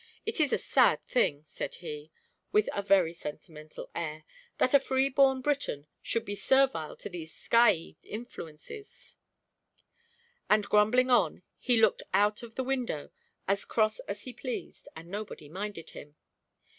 It is a sad thing," said he, with a very sentimental air, "that a free born Briton should be servile to these skyey influences;" and, grumbling on, he looked out of the window as cross as he pleased, and nobody minded him.